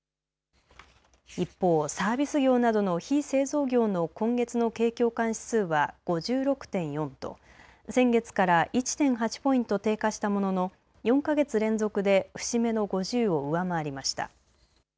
一方、サービス業などの非製造業の今月の景況感指数は５６．４と先月から１．８ポイント低下したものの４か月連続で節目の５０を上回りました。